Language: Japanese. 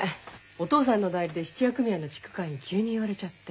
お義父さんの代理で質屋組合の地区会議急に言われちゃって。